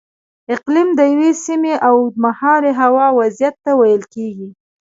اقلیم د یوې سیمې د اوږدمهالې هوا وضعیت ته ویل کېږي.